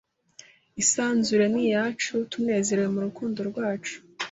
Isanzure ni iyacu tunezerewe murukundo rwacu